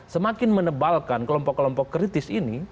semakin menebalkan kelompok kelompok kritis ini